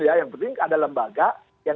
ya yang penting ada lembaga yang